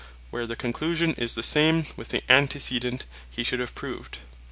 Where the conclusion is the same, with the Antecedent he should have proved.